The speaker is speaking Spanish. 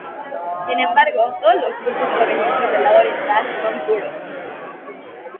Sin embargo todos los cursos provenientes del lado oriental son puros.